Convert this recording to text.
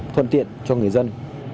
thuận tiện cho người dân